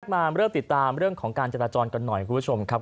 มาเริ่มติดตามเรื่องของการจราจรกันหน่อยคุณผู้ชมครับ